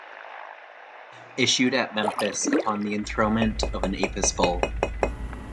Issued at Memphis upon the enthronement of an Apis bull.